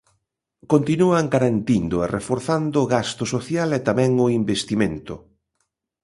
Continúan garantindo e reforzando gasto social e tamén o investimento.